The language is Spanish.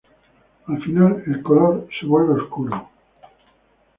Al final, el color se vuelve oscuro.